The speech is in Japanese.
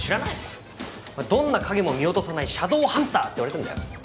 どんな影も見落とさないシャドーハンターって言われてるんだよ。